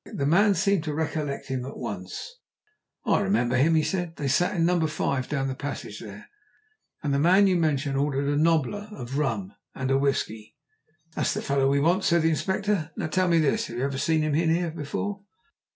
The man seemed to recollect him at once. "I remember him," he said. "They sat in No. 5 down the passage there, and the man you mention ordered a nobbler of rum and a whisky." "That's the fellow we want," said the Inspector. "Now tell me this, have you ever seen him in here before?"